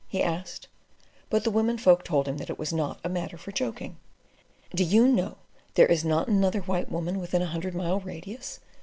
he asked; but the women folk told him that it was not a matter for joking. "Do you know there is not another white woman within a hundred mile radius?"